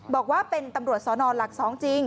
บอกว่าเป็นตำรวจสนหลัก๒จริง